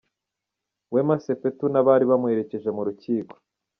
Wema Sepetu n'abari bamuherekeje mu rukiko.